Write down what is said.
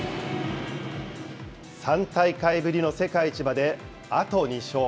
３大会ぶりの世界一まで、あと２勝。